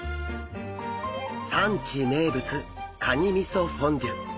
産地名物カニみそフォンデュ。